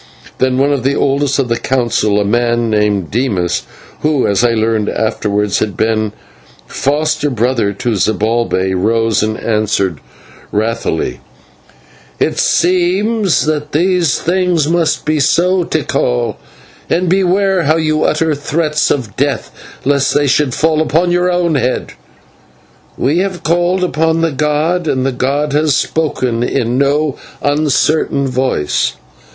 Then one of the eldest of the Council, a man named Dimas, who, as I learned afterwards, had been foster brother to Zibalbay, rose and answered wrathily: "It seems that these things must be so, Tikal, and beware how you utter threats of death lest they should fall upon your own head. We have called upon the god, and the god has spoken in no uncertain voice.